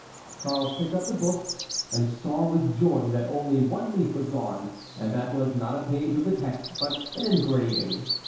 Charles picked up the book and saw with joy that only one leaf was gone, and that was not a page of the text, but an engraving.